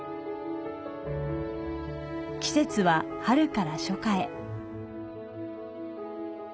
季節は春から初夏へ。